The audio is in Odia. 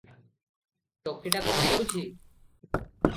"ଟୋକିଟା କଣ କରୁଛି?"